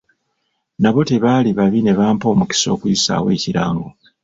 Nabo tebaali babi ne bampa omukisa okuyisaawo ekirango.